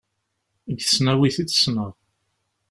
Deg tesnawit i tt-ssneɣ.